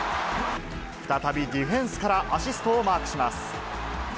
再びディフェンスからアシストをマークします。